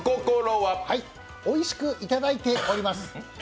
おいしくいただいております。